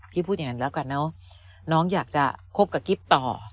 พี่พูดอย่างนี้แล้วกันนะว่าน้องอยากจะคบกับกิฟต์ต่อ